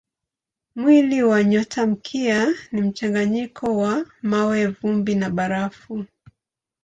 Mwili wa nyotamkia ni mchanganyiko wa mawe, vumbi na barafu.